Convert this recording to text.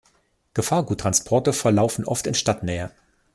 Gefahrguttransporte verlaufen oft in Stadtnähe.